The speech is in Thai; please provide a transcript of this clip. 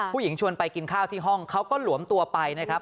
ชวนไปกินข้าวที่ห้องเขาก็หลวมตัวไปนะครับ